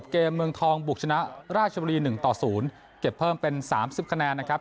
เกมเมืองทองบุกชนะราชบุรี๑ต่อ๐เก็บเพิ่มเป็น๓๐คะแนนนะครับ